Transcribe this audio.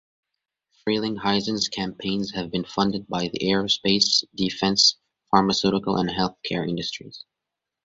Frelinghuysen's campaigns have been funded by the aerospace, defense, pharmaceutical and health care industries.